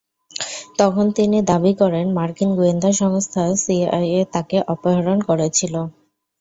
তখন তিনি দাবি করেন, মার্কিন গোয়েন্দা সংস্থা সিআইএ তাঁকে অপহরণ করেছিল।